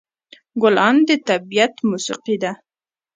ګلان د طبیعت موسيقي ده.